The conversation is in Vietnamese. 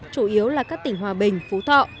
chủ yếu là các tỉnh hòa bình phú thọ